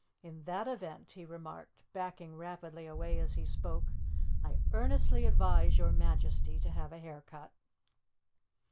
"In that event," he remarked, backing rapidly away as he spoke, "I earnestly advise your Majesty to have a hair cut."